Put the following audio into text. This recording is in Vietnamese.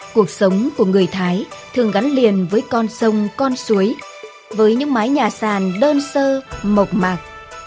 cuộc sống của người thái thường gắn liền với con sông con suối với những mái nhà sàn đơn sơ mộc mạc